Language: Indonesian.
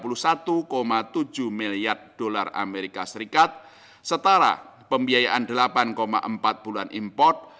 usd satu ratus tiga puluh satu tujuh miliar setara pembiayaan delapan empat bulan import